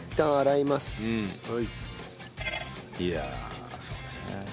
いやそうね。